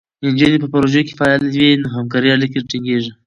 نجونې په پروژو کې فعالې وي، نو همکارۍ اړیکې ټینګېږي.